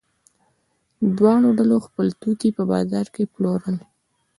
دواړو ډلو خپل توکي په بازار کې پلورل.